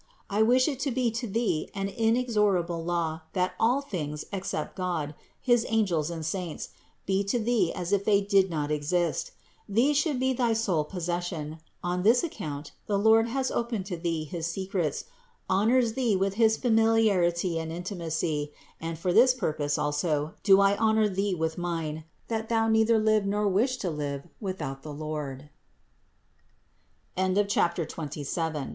I wish it to be to thee an inexorable law that all things, except God, his angels and saints, be to thee as if they did not exist. These should be thy sole possession ; on this account the Lord has opened to thee his secrets, honors thee with his familiarity and intimacy, and for this purpose also do I honor thee with mine, that thou neither live nor